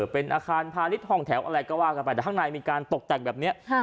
เป็นอาคารพาณิชยห้องแถวอะไรก็ว่ากันไปแต่ข้างในมีการตกแต่งแบบนี้